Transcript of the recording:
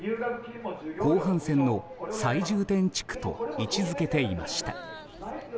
後半戦の最重点地区と位置付けていました。